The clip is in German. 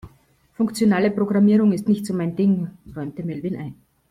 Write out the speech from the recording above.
Funktionale Programmierung ist nicht so mein Ding, räumte Melvin ein.